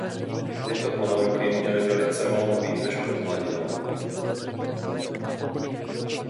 Tyto ponorky měly velice malou výdrž pod hladinou.